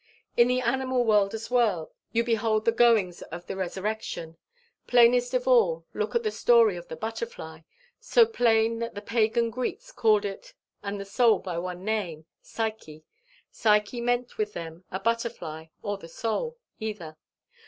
"In the animal world as well, you behold the goings of the Resurrection. Plainest of all, look at the story of the butterfly so plain that the pagan Greeks called it and the soul by one name Psyche. Psyche meant with them a butterfly or the soul, either.